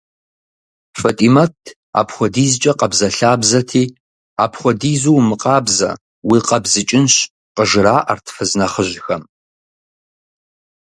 Фэтимэт апхуэдизкӏэ къабзэлъабзэти, «апхуэдизу умыкъабзэ, уикъабзыкӏынщ» къыжраӏэрт фыз нэхъыжьхэм.